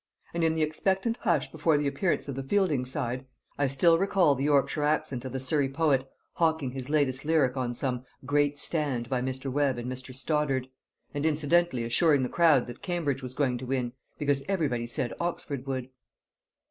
And in the expectant hush before the appearance of the fielding side, I still recall the Yorkshire accent of the Surrey Poet, hawking his latest lyric on some "Great Stand by Mr. Webbe and Mr. Stoddart," and incidentally assuring the crowd that Cambridge was going to win because everybody said Oxford would.